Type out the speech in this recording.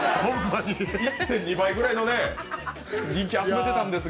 １．２倍くらいの人気集めてたんですが。